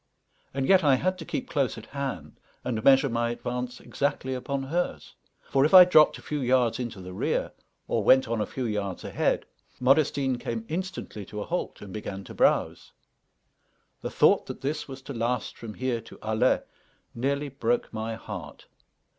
And yet I had to keep close at hand and measure my advance exactly upon hers; for if I dropped a few yards into the rear, or went on a few yards ahead, Modestine came instantly to a halt and began to browse. The thought that this was to last from here to Alais nearly broke my heart.